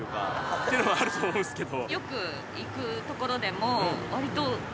っていうのはあると思うんすけど。